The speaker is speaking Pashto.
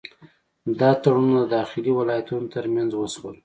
دا تړونونه د داخلي ولایتونو ترمنځ وشول.